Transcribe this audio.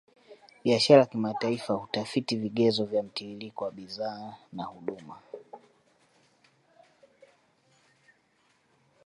Biashara ya kimataifa hutafiti vigezo vya mtiririko wa bidhaa na huduma